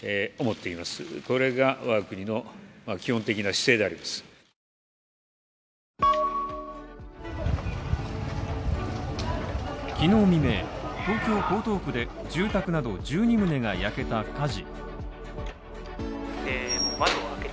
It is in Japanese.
一方、日本政府はきのう未明、東京・江東区で住宅など１２棟が焼けた火事。